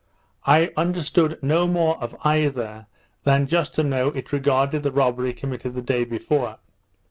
I understood no more of either, than just to know it regarded the robbery committed the day before.